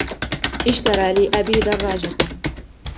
اشترى لي أبي دراجةً.